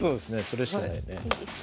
それしかないよね。